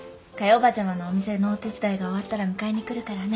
伯母ちゃまのお店のお手伝いが終わったら迎えに来るからね。